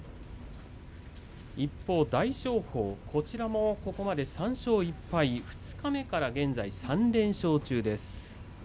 一方、大翔鵬こちらもここまで３勝１敗二日目から現在３連勝中です。